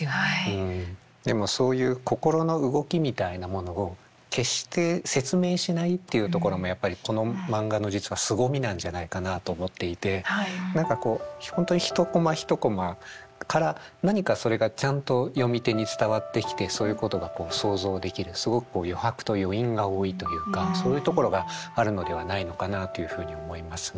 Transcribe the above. うんでもそういう心の動きみたいなものを決して説明しないっていうところもやっぱりこのマンガの実はすごみなんじゃないかなと思っていて何かこう本当に一コマ一コマから何かそれがちゃんと読み手に伝わってきてそういうことがこう想像できるすごく余白と余韻が多いというかそういうところがあるのではないのかなというふうに思いますね。